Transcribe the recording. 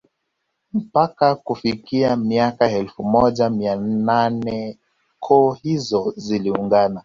Mpaka kufikia miaka ya elfu moja mia nane koo hizo ziliungana